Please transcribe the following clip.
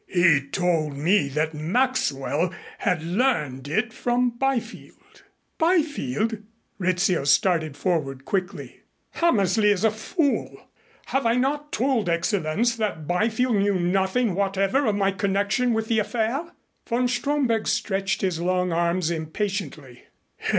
"He told me that Maxwell had learned it from Byfield." "Byfield!" Rizzio started forward quickly. "Hammersley is a fool. Have I not told Excellenz that Byfield knew nothing whatever of my connection with the affair?" Von Stromberg stretched his long arms impatiently.